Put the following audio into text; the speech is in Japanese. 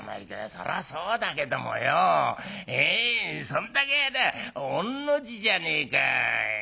「そらそうだけどもよええそれだけありゃ御の字じゃねえか。